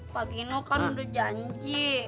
pak gino kan udah janji